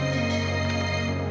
ayolah step fager